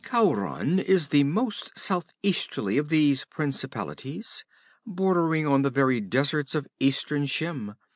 'Khauran is the most southeasterly of these principalities, bordering on the very deserts of eastern Shem.